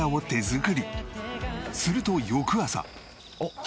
すると翌朝。